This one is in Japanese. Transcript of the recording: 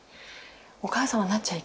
お母さんはなっちゃいけない